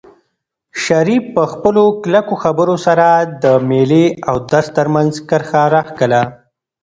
شریف په خپلو کلکو خبرو سره د مېلې او درس ترمنځ کرښه راښکله.